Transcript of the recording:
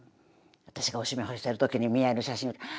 私がおしめ干してる時に見合いの写真をって。